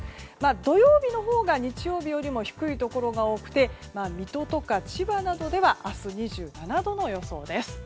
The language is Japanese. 土曜日のほうが日曜日よりも低いところが多くて水戸とか千葉などでは明日２７度の予想です。